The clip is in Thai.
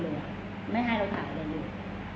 เราไม่ได้ถ่ายใครได้เรื่อยอ่ะ